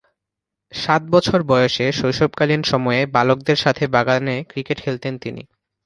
সাত বছর বয়সে শৈশবকালীন সময়ে বালকদের সাথে বাগানে ক্রিকেট খেলতেন তিনি।